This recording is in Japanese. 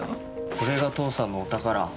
これが父さんのお宝。